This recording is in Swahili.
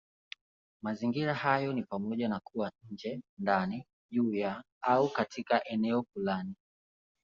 Mazingira hayo ni pamoja na kuwa nje, ndani, juu ya, au katika eneo fulani.